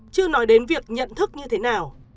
chứ nói đến việc nhận thức như thế nào